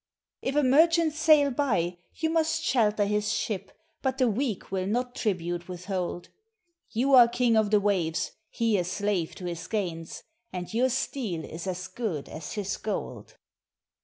"If a merchant sail by, you must shelter his ship, but the weak will not tribute withhold; You are king of the waves, he a slave to his gains; and your steel is as good as his gold.